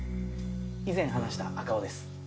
以前話した赤尾です。